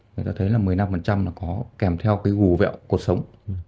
người ta thấy là một mươi năm là có kèm theo cái gù vẹo cuộc sống